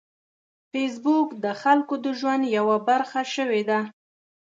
فېسبوک د خلکو د ژوند یوه برخه شوې ده